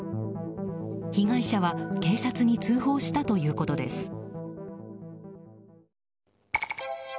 被害者は警察に通報したということです。